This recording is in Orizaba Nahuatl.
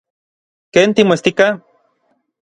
¿Ken timoestika?